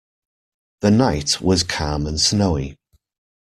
The night was calm and snowy.